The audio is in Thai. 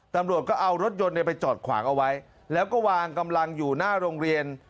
ตำรวจก็เอารถยนต์ไปจอดขวางเอาไว้แล้วก็วางกำลังอยู่หน้าโรงเรียน